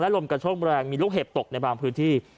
ลมกระโชคแรงมีลูกเห็บตกในบางพื้นที่